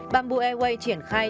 bamboo airways triển khai